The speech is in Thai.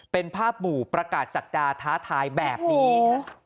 เป็นภาพหมู่ประกาศศักดาท้าทายแบบนี้